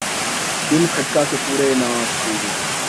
دل کھٹکا کہ پورے نہ آسکیں گے ۔